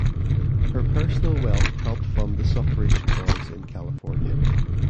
Her personal wealth helped fund the suffrage cause in California.